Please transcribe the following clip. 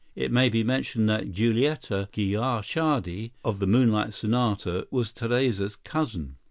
It may be mentioned that Giulietta Guicciardi, of the "Moonlight Sonata," was Therese's cousin.